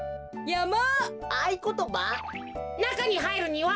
やま。